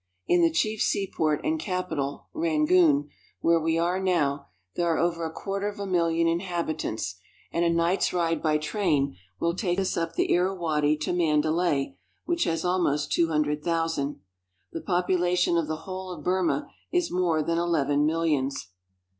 In the chief seaport and capital, Rangoon, where we are now, there are over a quarter of a million inhabitants, and a night's ride by train will take us up the Irawadi to Mandalay, which has almost two hundred thousand. The population of the whole of Burma is more than eleven millions.